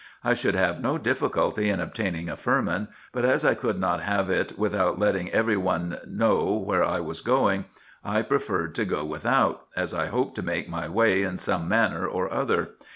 I should have no difficulty in obtaining a firman, but as I could not have it without letting every one know where I was going, I preferred to go without, as I hoped to make my way in some manner or other.